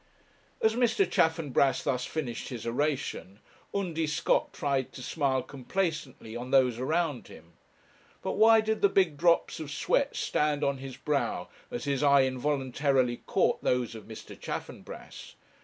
As Mr. Chaffanbrass thus finished his oration, Undy Scott tried to smile complacently on those around him. But why did the big drops of sweat stand on his brow as his eye involuntarily caught those of Mr. Chaffanbrass?